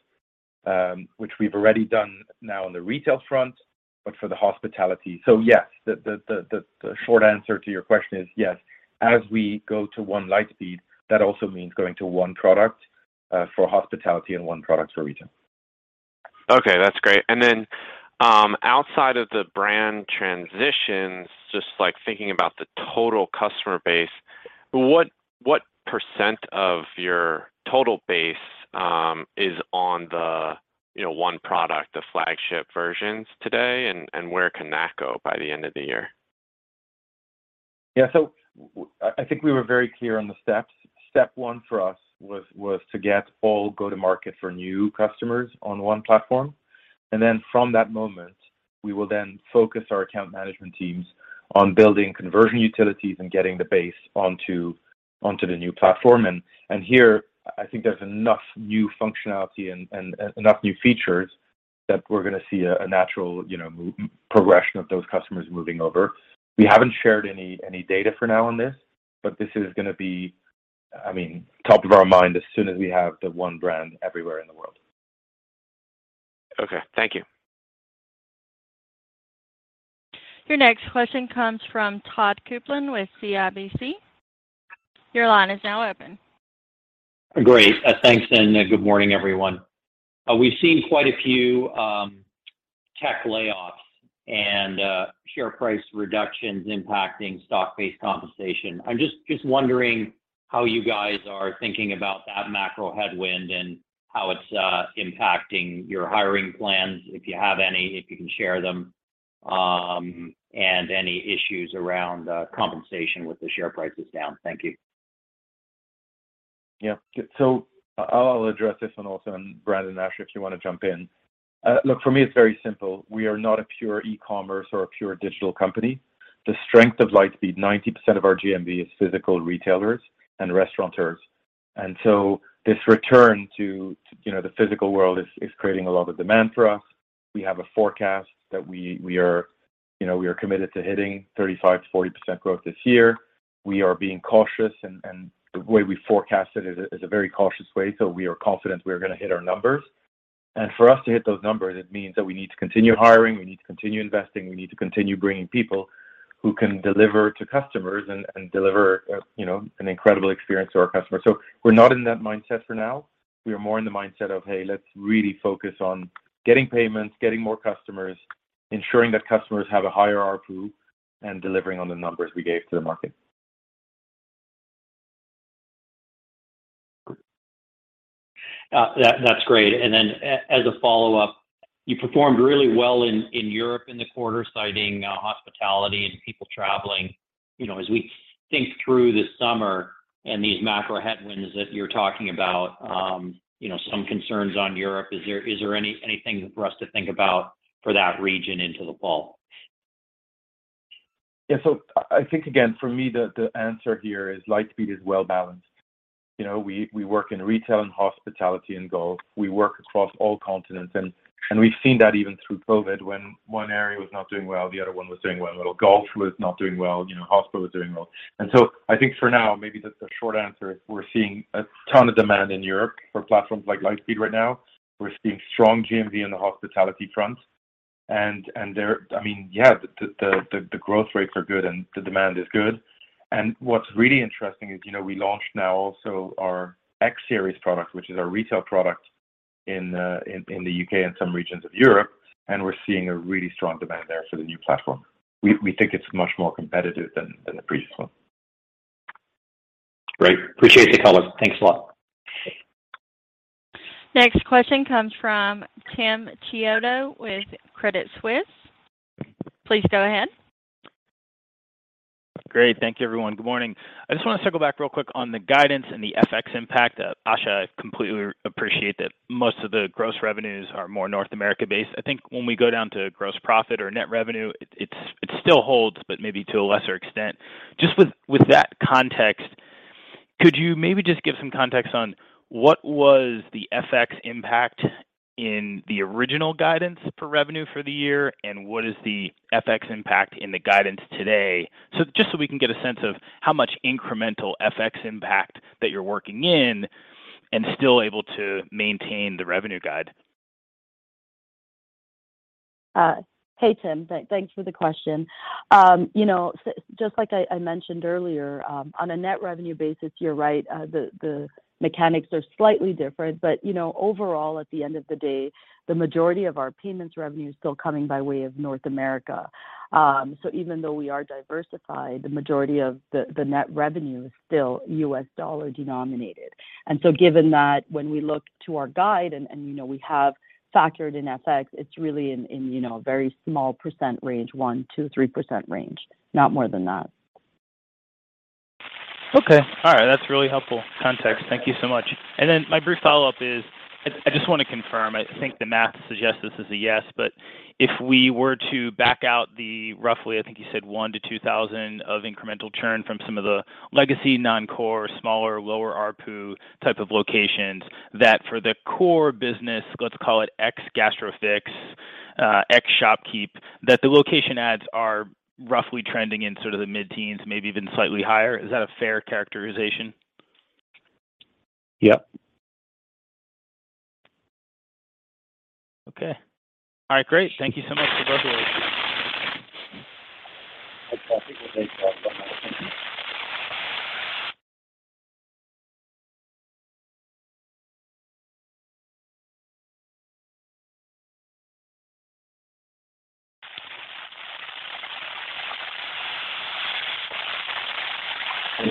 which we've already done now on the retail front, but for the hospitality. Yes, the short answer to your question is yes, as we go to One Lightspeed, that also means going to one product for hospitality and one product for retail. Okay, that's great. Outside of the brand transitions, just like thinking about the total customer base, what percent of your total base is on the, you know, one product, the flagship versions today, and where can that go by the end of the year? Yeah. I think we were very clear on the steps. Step one for us was to get all go-to-market for new customers on one platform, and then from that moment, we will then focus our account management teams on building conversion utilities and getting the base onto the new platform. Here I think there's enough new functionality and enough new features that we're gonna see a natural, you know, progression of those customers moving over. We haven't shared any data for now on this, but this is gonna be, I mean, top of our mind as soon as we have the one brand everywhere in the world. Okay, thank you. Your next question comes from Todd Coupland with CIBC. Your line is now open. Great. Thanks, and good morning, everyone. We've seen quite a few tech layoffs and share price reductions impacting stock-based compensation. I'm just wondering how you guys are thinking about that macro headwind and how it's impacting your hiring plans, if you have any, if you can share them, and any issues around compensation with the share prices down. Thank you. Yeah. I'll address this one also, and Brandon and Asha, if you wanna jump in. Look, for me it's very simple. We are not a pure e-commerce or a pure digital company. The strength of Lightspeed, 90% of our GMV is physical retailers and restaurateurs. This return to, you know, the physical world is creating a lot of demand for us. We have a forecast that we are committed to hitting 35%-40% growth this year. We are being cautious, and the way we forecast it is a very cautious way, so we are confident we are gonna hit our numbers. For us to hit those numbers, it means that we need to continue hiring, we need to continue investing, we need to continue bringing people who can deliver to customers and deliver a, you know, an incredible experience to our customers. We're not in that mindset for now. We are more in the mindset of, hey, let's really focus on getting payments, getting more customers, ensuring that customers have a higher ARPU, and delivering on the numbers we gave to the market. That's great. As a follow-up, you performed really well in Europe in the quarter, citing hospitality and people traveling. You know, as we think through the summer and these macro headwinds that you're talking about, you know, some concerns on Europe, is there anything for us to think about for that region into the fall? Yeah. I think, again, for me the answer here is Lightspeed is well-balanced. You know, we work in retail and hospitality and golf. We work across all continents, and we've seen that even through COVID when one area was not doing well, the other one was doing well. Golf was not doing well, you know, hospitality was doing well. I think for now, maybe the short answer is we're seeing a ton of demand in Europe for platforms like Lightspeed right now. We're seeing strong GMV in the hospitality front. I mean, yeah, the growth rates are good and the demand is good. What's really interesting is, you know, we launched now also our X-Series product, which is our retail product in the U.K. and some regions of Europe, and we're seeing a really strong demand there for the new platform. We think it's much more competitive than the previous one. Great. Appreciate the color. Thanks a lot. Next question comes from Tim Chiodo with Credit Suisse. Please go ahead. Great. Thank you, everyone. Good morning. I just want to circle back real quick on the guidance and the FX impact. Asha, I completely appreciate that most of the gross revenues are more North America-based. I think when we go down to gross profit or net revenue, it still holds, but maybe to a lesser extent. Just with that context, could you maybe just give some context on what was the FX impact in the original guidance for revenue for the year, and what is the FX impact in the guidance today? Just so we can get a sense of how much incremental FX impact that you're working in and still able to maintain the revenue guide. Hey, Tim. Thanks for the question. You know, just like I mentioned earlier, on a net revenue basis, you're right, the mechanics are slightly different. You know, overall, at the end of the day, the majority of our payments revenue is still coming by way of North America. So even though we are diversified, the majority of the net revenue is still U.S. dollar denominated. Given that, when we look to our guide and, you know, we have factored in FX, it's really in, you know, a very small 1%-3% range, not more than that. Okay. All right. That's really helpful context. Thank you so much. My brief follow-up is, I just wanna confirm, I think the math suggests this is a yes, but if we were to back out the roughly, I think you said 1,000-2,000 of incremental churn from some of the legacy non-core, smaller, lower ARPU type of locations, that for the core business, let's call it ex Gastrofix, ex ShopKeep, that the location adds are roughly trending in sort of the mid-teens, maybe even slightly higher. Is that a fair characterization? Yep. Okay. All right, great. Thank you so much for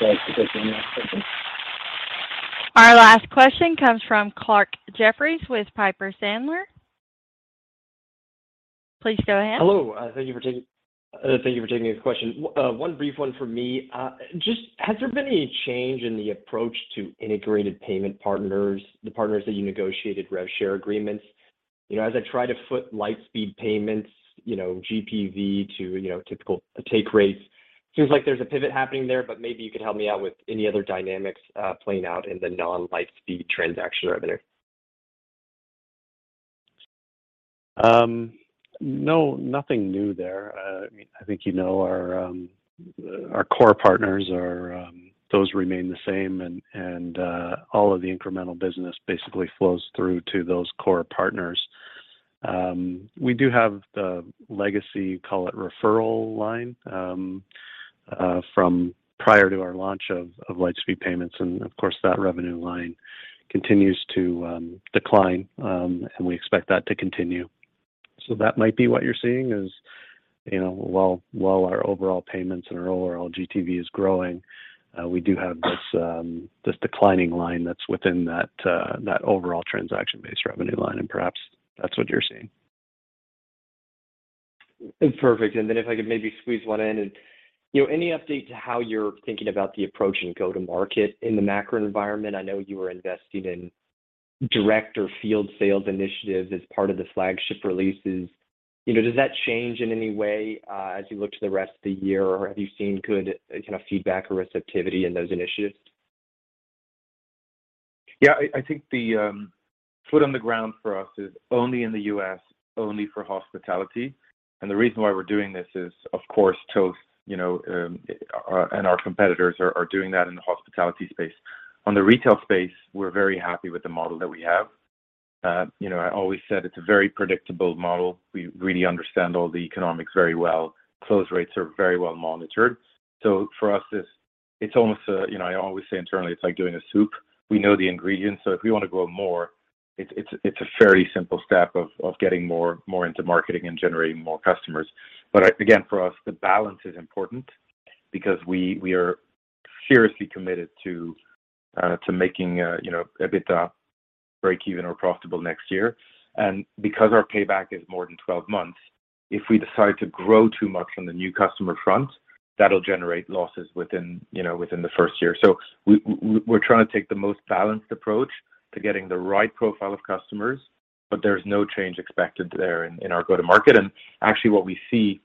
both. Our last question comes from Clarke Jeffries with Piper Sandler. Please go ahead. Hello, thank you for taking the question. One brief one for me. Just has there been any change in the approach to integrated payment partners, the partners that you negotiated rev share agreements? You know, as I try to foot Lightspeed Payments, you know, GPV to, you know, typical take rates, seems like there's a pivot happening there, but maybe you could help me out with any other dynamics playing out in the non-Lightspeed transaction revenue. No, nothing new there. I think you know our core partners are those remain the same and all of the incremental business basically flows through to those core partners. We do have the legacy, call it referral line, from prior to our launch of Lightspeed Payments, and of course, that revenue line continues to decline, and we expect that to continue. That might be what you're seeing is you know while our overall payments and our overall GTV is growing, we do have this declining line that's within that overall transaction-based revenue line, and perhaps that's what you're seeing. Perfect. Then if I could maybe squeeze one in. You know, any update to how you're thinking about the approach and go-to-market in the macro environment? I know you were investing in direct or field sales initiatives as part of the flagship releases. You know, does that change in any way, as you look to the rest of the year, or have you seen good, kind of feedback or receptivity in those initiatives? Yeah. I think the boots on the ground for us is only in the U.S., only for hospitality. The reason why we're doing this is, of course, Toast, you know, and our competitors are doing that in the hospitality space. On the retail space, we're very happy with the model that we have. You know, I always said it's a very predictable model. We really understand all the economics very well. Close rates are very well monitored. For us, it's almost a, you know, I always say internally, it's like doing a soup. We know the ingredients, so if we want to grow more, it's a fairly simple step of getting more into marketing and generating more customers. Again, for us, the balance is important because we are fiercely committed to making you know EBITDA breakeven or profitable next year. Because our payback is more than 12 months, if we decide to grow too much on the new customer front, that'll generate losses within you know within the first year. We're trying to take the most balanced approach to getting the right profile of customers, but there's no change expected there in our go-to-market. Actually what we see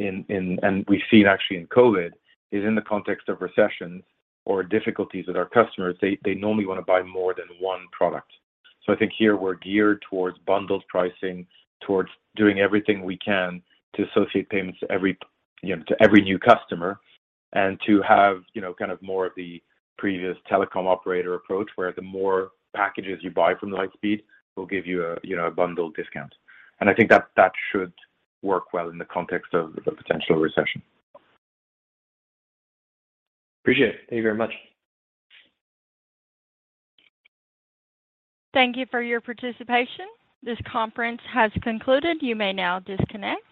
in and we've seen actually in COVID is in the context of recessions or difficulties with our customers, they normally wanna buy more than one product. I think here we're geared towards bundled pricing, towards doing everything we can to associate payments to every, you know, to every new customer, and to have, you know, kind of more of the previous telecom operator approach, where the more packages you buy from the Lightspeed, we'll give you a, you know, a bundled discount. I think that should work well in the context of the potential recession, Appreciate it. Thank you very much. Thank you for your participation. This conference has concluded. You may now disconnect.